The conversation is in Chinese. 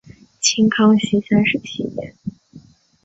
清康熙三十七年。